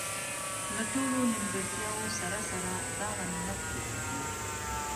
له ټولو نیمګړتیاوو سره سره، دا غنیمت کتاب وو.